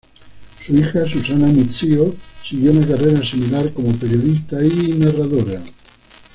Su hija, Susana Muzio, siguió una carrera similar como periodista y narradora.